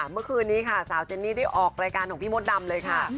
เมื่อคืนนี้ค่ะสาวเจนนี่ได้ออกรายการของพี่มดดำเลยค่ะ